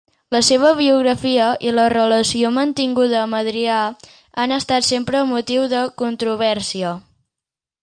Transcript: La seva biografia i la relació mantinguda amb Adrià han estat sempre motiu de controvèrsia.